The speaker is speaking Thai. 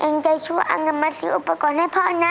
แอ้นเจสชู่อ่านและมัสซีอุปกรณ์ให้พ่อนะ